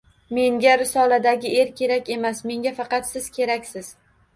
— Menga risoladagi er kerak emas, menga faqat siz keraksiz, siz!